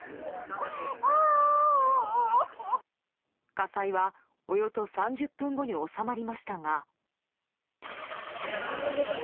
火災はおよそ３０分後に収まりましたが。